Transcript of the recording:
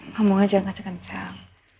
kamu aja jangan kacau kacau